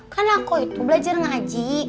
kan aku itu belajar ngaji